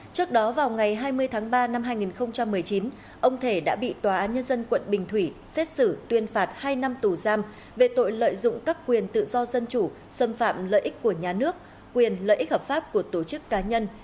trước đó vào ngày hai mươi tháng ba năm hai nghìn một mươi chín ông thể đã bị tòa án nhân dân quận bình thủy xét xử tuyên phạt hai năm tù giam về tội lợi dụng các quyền tự do dân chủ xâm phạm lợi ích của nhà nước quyền lợi ích hợp pháp của tổ chức cá nhân